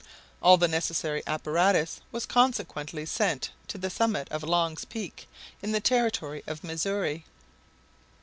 All the necessary apparatus was consequently sent on to the summit of Long's Peak, in the territory of Missouri.